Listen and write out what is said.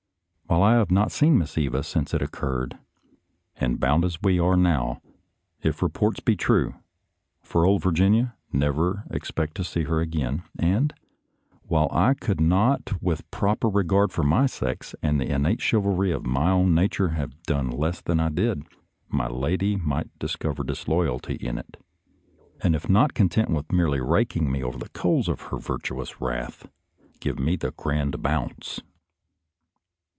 While I have not seen Miss Eva since it occurred, and bound as we are now, if reports be true, for old Virginia, never expect to see her again; and, while I could not with proper re gard for my sex and the innate chivalry of my own nature have done less than I did, my lady might discover disloyalty in it, and if not con tent with merely raking me over the coals of her virtuous wrath, give me the grand bounce.